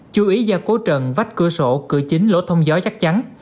chú ý ra cố trần vách cửa sổ cửa chính lỗ thông gió chắc chắn